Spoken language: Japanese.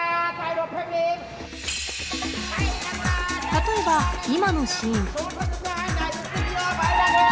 例えば今のシーン。